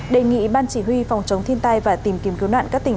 đề nghị ban chỉ huy phòng chống thiên tai và tìm kiếm cứu nạn các tỉnh